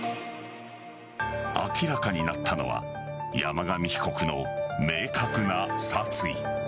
明らかになったのは山上被告の明確な殺意。